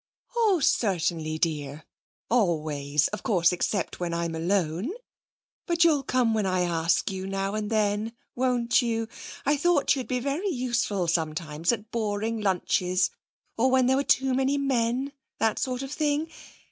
'Oh, certainly, dear; always, of course, except when I'm alone. But you'll come when I ask you, now and then, won't you? I thought you'd be very useful sometimes at boring lunches, or when there were too many men that sort of thing.